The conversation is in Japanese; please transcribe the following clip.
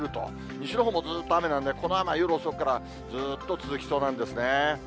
西のほうもずっと雨なので、この雨は夜遅くからずーっと続きそうなんですね。